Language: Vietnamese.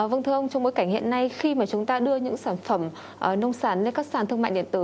vâng thưa ông trong bối cảnh hiện nay khi mà chúng ta đưa những sản phẩm nông sản lên các sàn thương mại điện tử